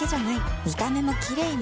見た目もキレイに